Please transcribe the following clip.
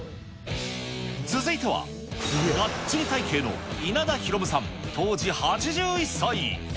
続いては、がっちり体形の稲田弘さん、当時８１歳。